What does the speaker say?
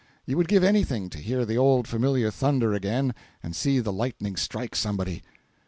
You would give anything to hear the old familiar thunder again and see the lightning strike somebody.